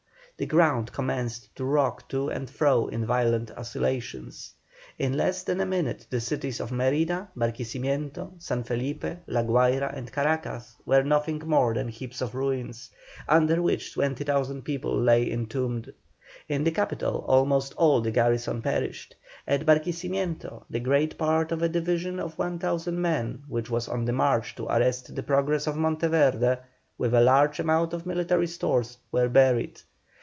The ground commenced to rock to and fro in violent oscillations. In less than a minute the cities of Mérida, Barquisimeto, San Felipe, La Guayra, and Caracas were nothing more than heaps of ruins, under which 20,000 people lay entombed. In the capital almost all the garrison perished. At Barquisimeto the greater part of a division of 1,000 men which was on the march to arrest the progress of Monteverde, with a large amount of military stores, were buried.